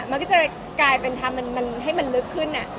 มันก็จะเป็นทำให้มันลึกขึ้นอ่ะ